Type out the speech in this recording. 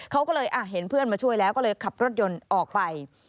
เขาก็เลยเห็นเพื่อนมาช่วยแล้วก็เลยขับรถยนต์ออกไป